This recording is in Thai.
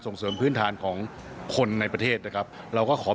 เสริมพื้นฐานของคนในประเทศนะครับเราก็ขอ